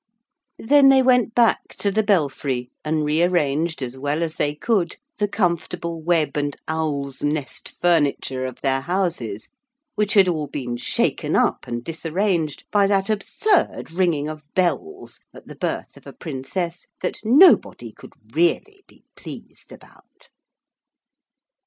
Then they went back to the belfry and rearranged as well as they could the comfortable web and owls' nest furniture of their houses which had all been shaken up and disarranged by that absurd ringing of bells at the birth of a Princess that nobody could really be pleased about.